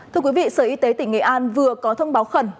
thưa quý vị sở y tế tỉnh nghệ an vừa có thông báo khẩn